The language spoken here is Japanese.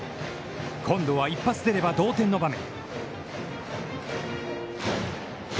今度は一発出れば同点の場面。